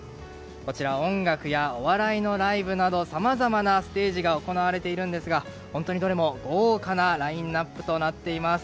音楽やお笑いのライブなどさまざまなステージが行われているんですが本当にどれも豪華なラインアップとなっています。